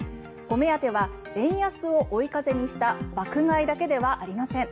お目当ては円安を追い風にした爆買いだけではありません。